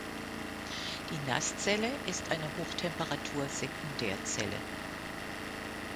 Die NaS-Zelle ist eine Hochtemperatur-Sekundärzelle.